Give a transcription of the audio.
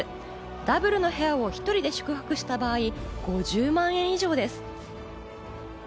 ダブルの部屋を１人で宿泊した場合、５０万円以上です。